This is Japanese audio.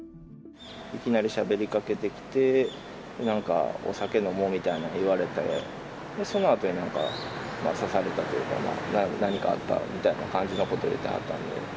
いきなりしゃべりかけてきて、なんか、お酒飲もうみたいなん言われて、そのあとになんか、刺されたというか、何かあったみたいな感じのことを言ってはったので。